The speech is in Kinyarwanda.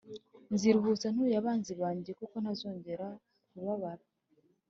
, nziruhutsa ntuye abanzi banjye kuko ntazongera kubabara